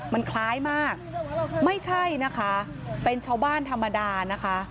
มันคล้ายมากไม่ใช่นะคะเป็นชาวบ้านธรรมดานะคะ